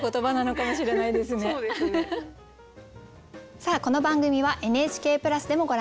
さあこの番組はＮＨＫプラスでもご覧になれます。